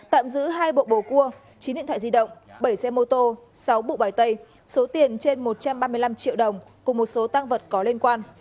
tạm giữ hai bộ bầu cua chín điện thoại di động bảy xe mô tô sáu bộ bài tay số tiền trên một trăm ba mươi năm triệu đồng cùng một số tăng vật có liên quan